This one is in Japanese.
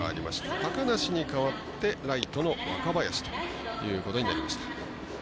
高梨に代わって、ライトの若林ということになりました。